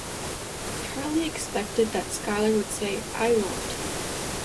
Charlie expected that Skylar would say, "I won't!"